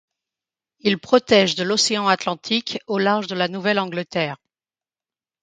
Il protège de l'océan Atlantique au large de la Nouvelle-Angleterre.